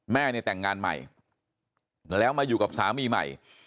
แม่เนี่ยแต่งงานใหม่แล้วมาอยู่กับสามีใหม่